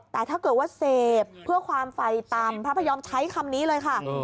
แต่ถ้าเกิดว่าเสพเพื่อความไฟต่ำพระพยอมใช้คำนี้เลยค่ะ